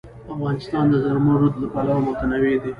افغانستان د زمرد له پلوه متنوع دی.